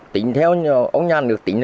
tính theo ông nhà nước tính